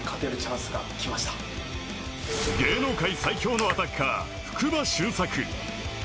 芸能界最強のアタッカー福場俊策。